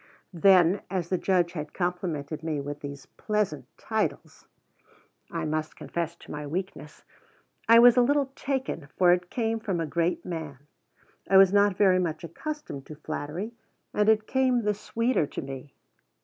Then, as the Judge had complimented me with these pleasant titles, (I must confess to my weakness) I was a little "taken"; for it came from a great man. I was not very much accustomed to flattery, and it came the sweeter to me.